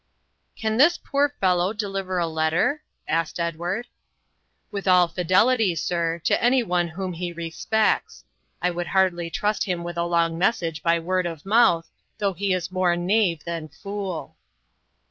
'Can this poor fellow deliver a letter?' asked Edward. 'With all fidelity, sir, to any one whom he respects. I would hardly trust him with a long message by word of mouth though he is more knave than fool.'